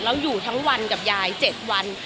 แล้วอยู่ทั้งวันกับยาย๗วัน